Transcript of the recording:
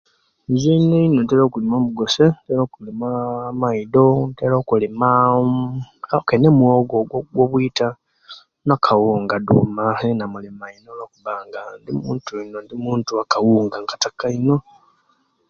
Nze einoino Ntera okulima omugose ntera okulima amaido ntera okulima aaha okay no muwogo gwo bwita nakawunga duma yena inkalima ino kuba nga indi muntu kawunga nkataka ino